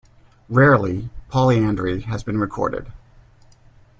Rarely, polyandry has been recorded.